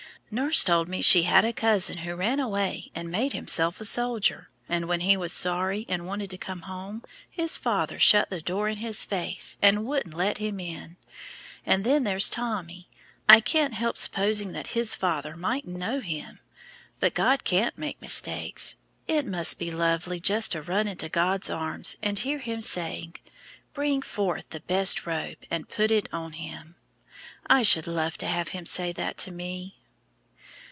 Nurse told me she had a cousin who ran away and made himself a soldier, and when he was sorry and wanted to come home, his father shut the door in his face, and wouldn't let him in. And then there's Tommy, I can't help s'posing that his father mightn't know him. But God can't make mistakes. It must be lovely just to run right into God's arms, and hear Him saying, 'Bring forth the best robe, and put it on him.' I should love to have Him say that to me."